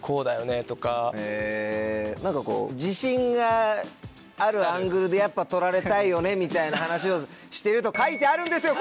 自信があるアングルでやっぱ撮られたいよねみたいな話をしてると書いてあるんですよ